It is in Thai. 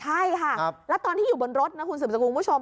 ใช่ค่ะแล้วตอนที่อยู่บนรถคุณศัตรูผู้ชม